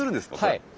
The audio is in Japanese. はい。